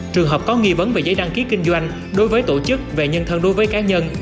trường hợp có nghi vấn về giấy đăng ký kinh doanh đối với tổ chức về nhân thân đối với cá nhân